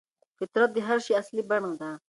فطرت د هر شي اصلي بڼه ده.